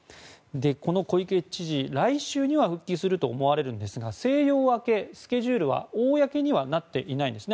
この小池知事、来週には復帰すると思われるんですが静養明け、スケジュールは公にはなっていないんですね。